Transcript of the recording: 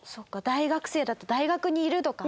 大学生だと大学にいるとかね。